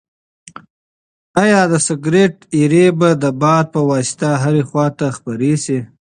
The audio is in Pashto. ایا د سګرټ ایرې به د باد په واسطه هرې خواته خپرې شي؟